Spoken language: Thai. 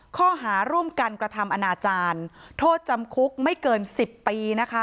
ข้อหาร่วมกันกระทำอนาจารย์โทษจำคุกไม่เกิน๑๐ปีนะคะ